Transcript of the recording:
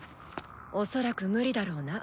恐らくムリだろうな。